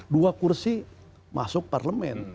dua kursi masuk parlemen